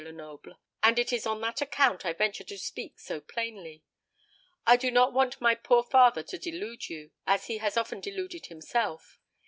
Lenoble, and it is on that account I venture to speak so plainly. I do not want my poor father to delude you, as he has often deluded himself.